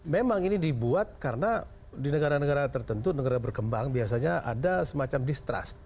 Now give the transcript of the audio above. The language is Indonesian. memang ini dibuat karena di negara negara tertentu negara berkembang biasanya ada semacam distrust